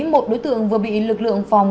một đối tượng vừa bị lực lượng phòng